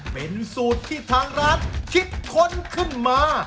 เป็นสูตรที่ทางร้านคิดค้นขึ้นมา